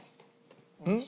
うん？